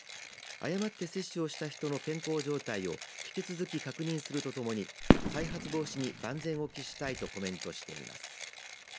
誤って接種をした人の健康状態を引き続き確認するとともに再発防止に万全を期したいとコメントしています。